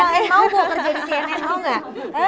mau bu kerja di cnn mau gak